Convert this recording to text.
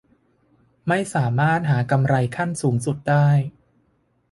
ไม่สามารถหากำไรขั้นสูงสุดได้